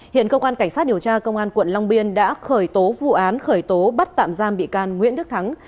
hiện cơ quan cảnh sát điều tra công an quận long biên đã khởi tố vụ án khởi tố bắt tạm giam bị can nguyễn đức thắng